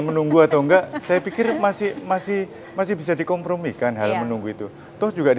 menunggu atau enggak saya pikir masih bisa dikompromi kan hal menunggu itu atau juga di